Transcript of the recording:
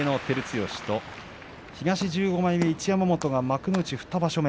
東１５枚目、一山本幕内２場所目。